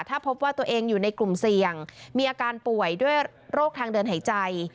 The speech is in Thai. ถ้าพบว่าตัวเองอยู่ในกลุ่มเสี่ยงมีอาการป่วยด้วยโรคทางเดินหายใจ